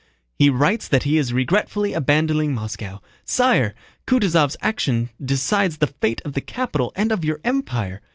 He writes that he is regretfully abandoning Moscow. Sire! Kutúzov's action decides the fate of the capital and of your empire!